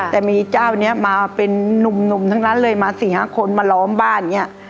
แต่มีเจ้านี้มาเป็นนุ่มทั้งนั้นเลยมา๔๕คนมาล้อมบ้านอย่างนี้